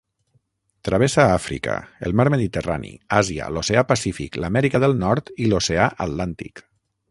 Travessa Àfrica, el Mar Mediterrani, Àsia, l’Oceà Pacífic, l'Amèrica del Nord i l'oceà Atlàntic.